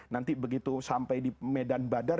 nanti begitu sampai di medan badan